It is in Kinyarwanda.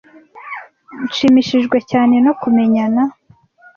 Nshimishijwe cyane no kumenyana.